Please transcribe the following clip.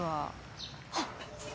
あっ！